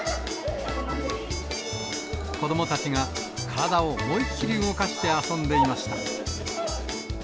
子どもたちが体を思いきり動かして遊んでいました。